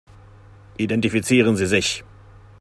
Identifizieren Sie sich.